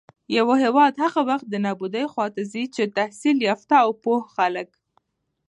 يـو هېـواد هـغه وخـت د نـابـودۍ خـواتـه ځـي چـې تحـصيل يافتـه او پـوه خلـک